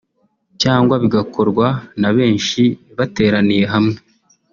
cyangwa bigakorwa na benshi bateraniye hamwe